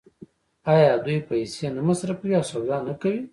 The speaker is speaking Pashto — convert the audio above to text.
آیا دوی پیسې نه مصرفوي او سودا نه کوي؟